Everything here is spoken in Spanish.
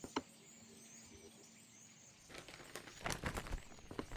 La mayoría de los músicos de la banda eran "skinheads".